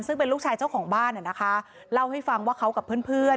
ซึ่งเป็นลูกชายเจ้าของบ้านเล่าให้ฟังว่าเขากับเพื่อน